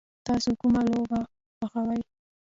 تاسو کومه لوبه خوښوئ؟